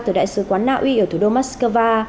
từ đại sứ quán naui ở thủ đô moscow